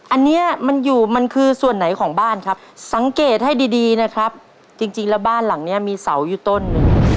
อันนี้มันอยู่มันคือส่วนไหนของบ้านครับสังเกตให้ดีดีนะครับจริงแล้วบ้านหลังเนี้ยมีเสาอยู่ต้นหนึ่ง